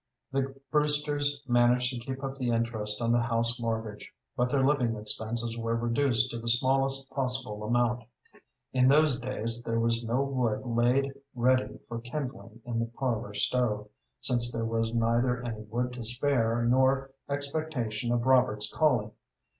The Brewsters managed to keep up the interest on the house mortgage, but their living expenses were reduced to the smallest possible amount. In those days there was no wood laid ready for kindling in the parlor stove, since there was neither any wood to spare nor expectation of Robert's calling.